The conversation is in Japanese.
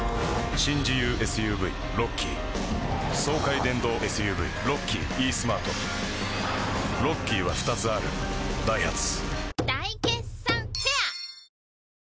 新自由ＳＵＶロッキー爽快電動ＳＵＶロッキーイースマートロッキーは２つあるダイハツ大決算フェア